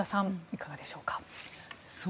いかがでしょうか。